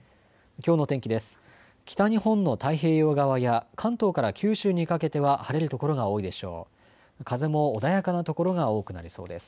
きょうの天気です。